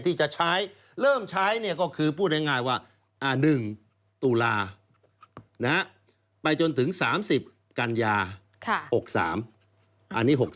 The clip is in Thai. ที่จะใช้เริ่มใช้เนี่ยก็คือพูดง่ายว่า๑ตุลาไปจนถึง๓๐กันยา๖๓อันนี้๖๓